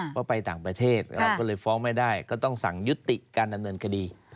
เพราะไปต่างประเทศเราก็เลยฟ้องไม่ได้ก็ต้องสั่งยุติการดำเนินคดี